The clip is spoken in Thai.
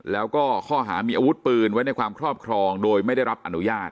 แล้วก็ข้อหามีอาวุธปืนไว้ในความครอบครองโดยไม่ได้รับอนุญาต